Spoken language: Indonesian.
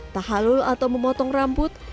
tahlul atau memotong rambut